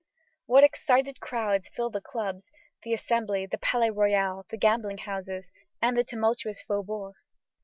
What excited crowds fill the clubs, the Assembly, the Palais Royal, the gambling houses, and the tumultuous faubourgs!